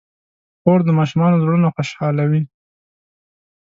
خور د ماشومانو زړونه خوشحالوي.